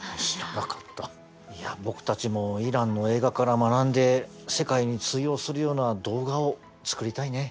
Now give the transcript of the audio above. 僕たちもイランの映画から学んで世界に通用するような動画を作りたいね。